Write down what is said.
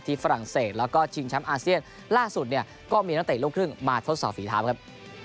ฝรั่งเศสแล้วก็ชิงแชมป์อาเซียนล่าสุดเนี่ยก็มีนักเตะลูกครึ่งมาทดสอบฝีเท้าครับ